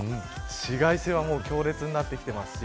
紫外線は強烈になってきてますし